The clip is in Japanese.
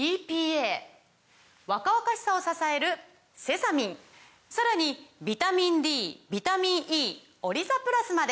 若々しさを支えるセサミンさらにビタミンＤビタミンＥオリザプラスまで！